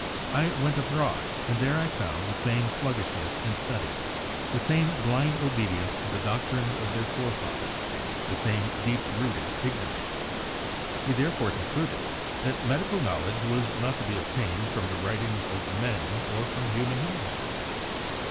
I went abroad and there I found the same sluggishness in study, the same blind obedience to the doctrines of their forefathers, the same deep rooted ignorance." He there fore concluded that medical knowledge was not to be ob tained from the writings of men or from human industry.